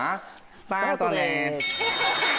スタートです。